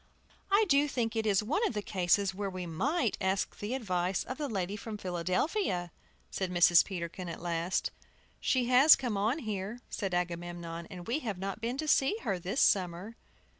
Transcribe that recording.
"I do think it is one of the cases where we might ask the advice of the lady from Philadelphia," said Mrs. Peterkin, at last. "She has come on here," said Agamemnon, "and we have not been to see her this summer."